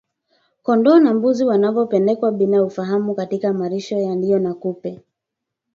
Kondoo na mbuzi wanapopelekwa bila ufahamu katika malisho yaliyo na kupe